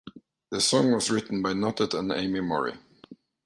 The song was written by Nottet and Amy Morrey.